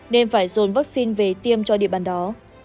nên phải dồn vaccine về tiêm cho địa bàn đó